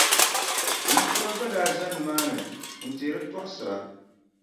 Niŋkura gba daa za nimaani n-teeri tɔɣisiri.